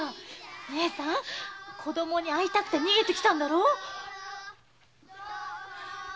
ねえさん子供に会いたくて逃げたんだろ？